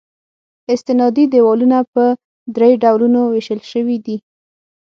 استنادي دیوالونه په درې ډولونو ویشل شوي دي